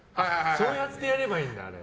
そうやってやればいいんだあれ。